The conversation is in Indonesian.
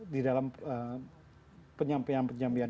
di dalam penyampaian penyampaian